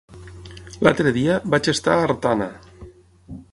L'altre dia vaig estar a Artana.